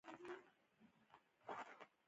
څلورو واړو افسرانو لویې خولۍ په سر کړې وې.